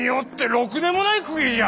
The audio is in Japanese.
ろくでもない公家じゃ！